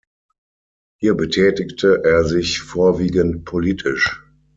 Hier betätigte er sich vorwiegend politisch.